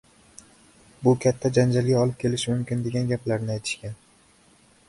bu katta janjalga olib kelishi mumkin, degan gaplarni aytishgan…